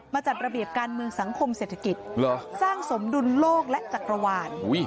จัดระเบียบการเมืองสังคมเศรษฐกิจสร้างสมดุลโลกและจักรวาล